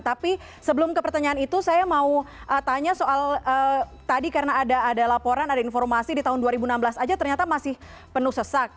tapi sebelum ke pertanyaan itu saya mau tanya soal tadi karena ada laporan ada informasi di tahun dua ribu enam belas saja ternyata masih penuh sesak